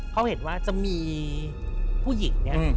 เขาเห็นว่าจะมีผู้หญิง